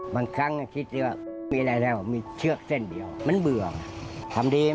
บางครั้งคิดว่ามีอะไรแล้วมีเชือกเส้นเดียวมันเบื่องทำดีไม่ได้ดีอะ